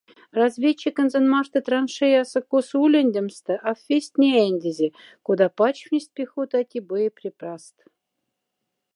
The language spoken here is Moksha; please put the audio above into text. Разведчиконзон мархта траншеяса-коса улендемста аф весть няендезе, кода пачфнесть пехотати боеприпаст.